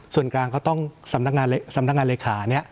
ส่วนกลางก็ต้องสำนักงานเลขา